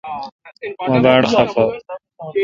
مہ باڑ خفہ۔